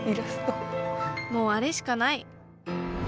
もうアレしかない。